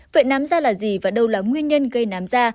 vậy nám ra là gì và đâu là nguyên nhân gây nám da